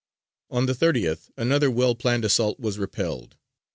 On the 30th another well planned assault was repelled.